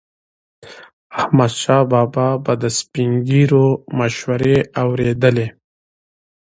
احمدشاه بابا به د سپین ږیرو مشورې اورېدلي.